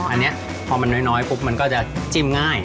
อันนี้พอมันน้อยปุ๊บมันก็จะจิ้มง่าย